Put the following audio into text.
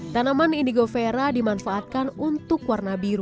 tanaman indigo vera dimanfaatkan untuk warna biru